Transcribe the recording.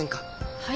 はい？